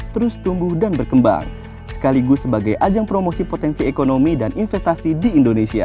terus tumbuh dan berkembang sekaligus sebagai ajang promosi potensi ekonomi dan investasi di indonesia